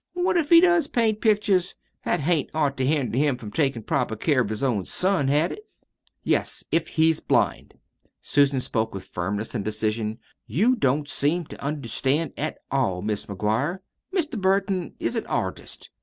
What if he does paint pictures? That hadn't ought to hinder him from takin' proper care of his own son, had it?" "Yes, if he's blind." Susan spoke with firmness and decision. "You don't seem to understand at all, Mis' McGuire. Mr. Burton is an artist.